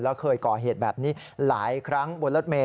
แล้วเคยก่อเหตุแบบนี้หลายครั้งบนรถเมย